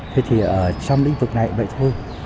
thế thì trong lĩnh vực này vậy thôi